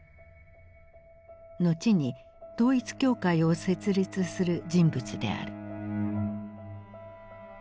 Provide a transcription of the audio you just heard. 後に統一教会を設立する人物である。